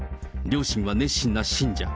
両親は熱心な信者。